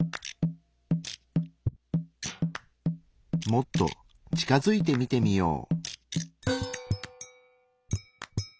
もっと近づいて見てみよう。